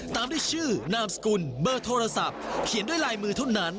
ตามด้วยชื่อนามสกุลเบอร์โทรศัพท์เขียนด้วยลายมือเท่านั้น